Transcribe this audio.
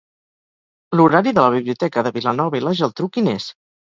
L'horari de la biblioteca de Vilanova i la Geltrú quin és?